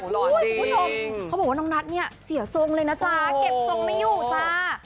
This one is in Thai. คุณผู้ชมเขาบอกว่าน้องนัทเนี่ยเสียทรงเลยนะจ๊ะเก็บทรงไม่อยู่จ้า